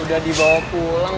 udah dibawa pulang